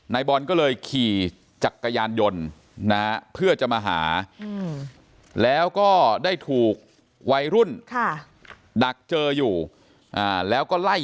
นายบอลก็เลยขี่จักรยานยนต์นะเพื่อจะมาหาแล้วก็ได้ถูกวัยรุ่นดักเจออยู่แล้วก็ไล่